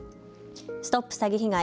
ＳＴＯＰ詐欺被害！